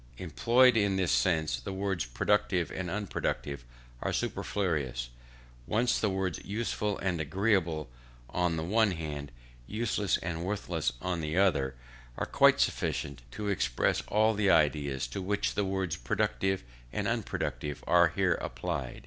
Employed in this sense, the words productive and unproductive are superfluous, since the words useful and agreeable on the one hand, useless and worthless on the other, are quite sufficient to express all the ideas to which the words productive and unproductive are here applied.